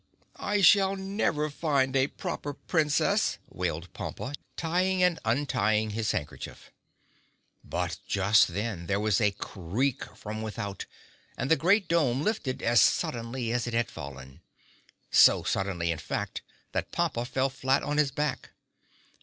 "I shall never find a Proper Princess!" wailed Pompa, tying and untying his handkerchief. But just then there was a creak from without and the great dome lifted as suddenly as it had fallen—so suddenly in fact that Pompa fell flat on his back.